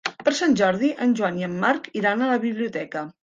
Per Sant Jordi en Joan i en Marc iran a la biblioteca.